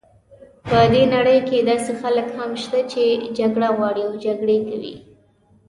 په دې نړۍ کې داسې خلک هم شته چې جګړه غواړي او جګړې کوي.